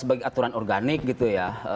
sebagai aturan organik gitu ya